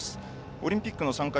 オリンピックの参加